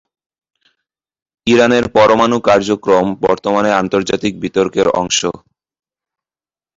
ইরানের পরমাণু কার্যক্রম বর্তমানে আন্তর্জাতিক বিতর্কের অংশ।